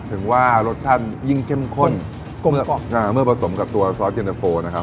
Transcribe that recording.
ถึงว่ารสชาติยิ่งเข้มข้นกลมกล่อมอ่าเมื่อผสมกับตัวซอสเย็นตะโฟนะครับ